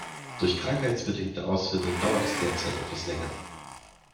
Durch krankheitsbedingte Ausfälle dauert es derzeit etwas länger.